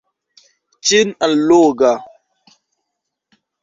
Ĉin-alloga